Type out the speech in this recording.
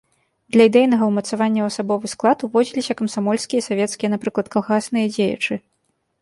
Для ідэйнага ўмацавання ў асабовы склад уводзіліся камсамольскія і савецкія, напрыклад, калгасныя дзеячы.